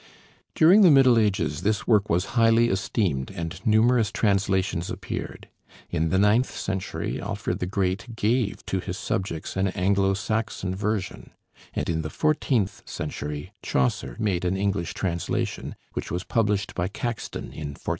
During the Middle Ages this work was highly esteemed, and numerous translations appeared. In the ninth century Alfred the Great gave to his subjects an Anglo Saxon version; and in the fourteenth century Chaucer made an English translation, which was published by Caxton in 1480.